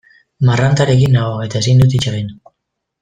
Marrantarekin nago eta ezin dut hitz egin.